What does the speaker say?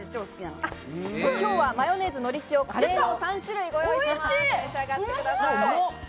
今日はマヨネーズ、のり塩、カレーの３種類をご用意しました。